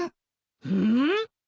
うん？